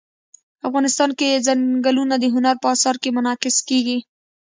افغانستان کې ځنګلونه د هنر په اثار کې منعکس کېږي.